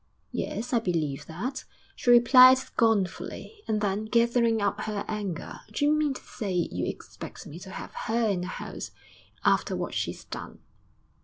'Yes, I believe that,' she replied scornfully; and then, gathering up her anger, 'D'you mean to say you expect me to have her in the house after what she's done?